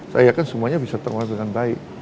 saya yakin semuanya bisa terwujud dengan baik